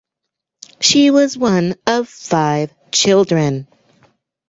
She was one of five children.